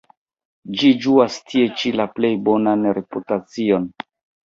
Ĝi ĝuas tie ĉi la plej bonan reputacion.